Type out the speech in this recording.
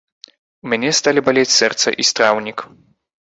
У мяне сталі балець сэрца і страўнік.